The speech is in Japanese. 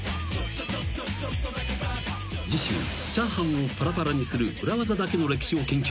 ［次週チャーハンをぱらぱらにする裏技だけの歴史を研究］